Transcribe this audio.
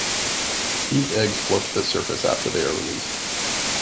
These eggs float to the surface after they are released.